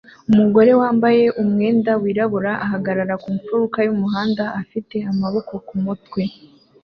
Umugore wambaye umwenda wirabura ahagarara ku mfuruka y'umuhanda afite amaboko ku mutwe